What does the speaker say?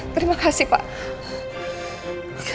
terima kasih pak